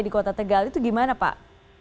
di kota tegal itu gimana pak